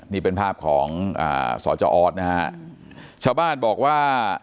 นี่เป็นภาพของอ่าสจออสนะฮะชาวบ้านบอกว่า